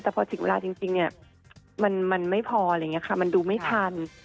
แต่พอถึงเวลาจริงเนี่ยมันไม่พออะไรอย่างนี้ค่ะมันดูไม่ทัน